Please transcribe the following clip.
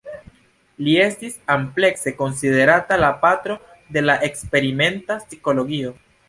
Li estis amplekse konsiderata la "patro de la eksperimenta psikologio".